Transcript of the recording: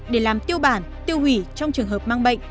để làm tiêu bản tiêu hủy trong trường hợp mang bệnh